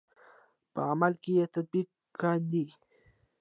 په عمل کې یې تطبیق کاندئ.